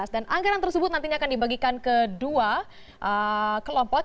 dan anggaran tersebut nantinya akan dibagikan ke dua kelompok